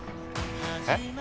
えっ？